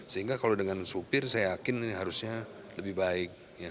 sehingga kalau dengan supir saya yakin ini harusnya lebih baik